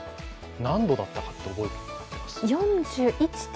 何度だったかって覚えてます？